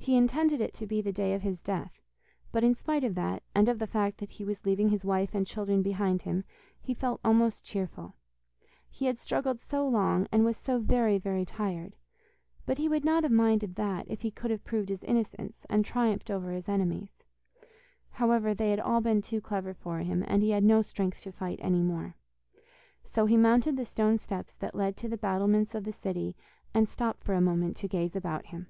He intended it to be the day of his death, but in spite of that, and of the fact that he was leaving his wife and children behind him, he felt almost cheerful. He had struggled so long, and was so very, very tired; but he would not have minded that if he could have proved his innocence, and triumphed over his enemies. However, they had all been too clever for him, and he had no strength to fight any more. So he mounted the stone steps that led to the battlements of the city, and stopped for a moment to gaze about him.